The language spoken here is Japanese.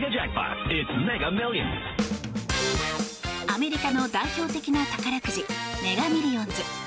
アメリカの代表的な宝くじメガミリオンズ。